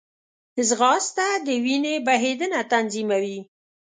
ځغاسته د وینې بهېدنه تنظیموي